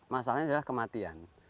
masalahnya adalah kematian